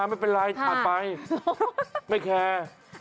ไม่เป็นไรผ่านไปไม่แคร์